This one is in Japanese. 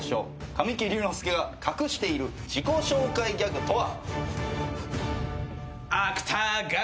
「神木隆之介が隠している自己紹介ギャグとは？」